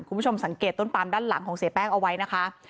คุณผู้ชมสังเกตต้นปามด้านหลังของเสียแป้งเอาไว้นะคะ